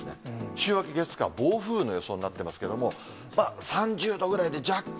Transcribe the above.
週明け、月、火、暴風雨の予想になっていますけど、３０度ぐらいで、若干。